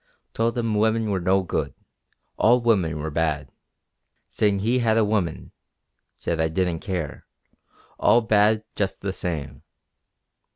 Told him women were no good all women were bad. Said he had a woman. Said I didn't care all bad just the same.